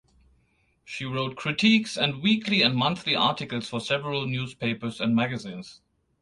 She wrote critiques and weekly and monthly articles for several newspapers and magazines.